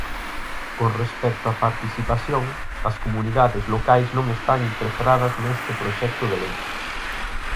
Con respecto á participación, as comunidades locais non están integradas neste proxecto de lei.